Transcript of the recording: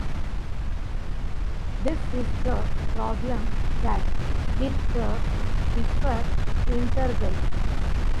This is the problem that with the differintegral.